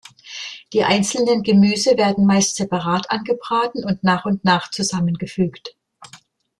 Die einzelnen Gemüse werden meist separat angebraten und nach und nach zusammengefügt.